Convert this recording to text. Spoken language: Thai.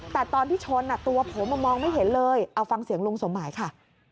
แต่ตอนที่ชนตัวผมมองไม่เห็นเลยเอาฟังเสียงลุงสมหมายค่ะ